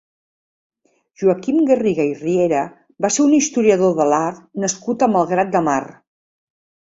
Joaquim Garriga i Riera va ser un historiador de l'art nascut a Malgrat de Mar.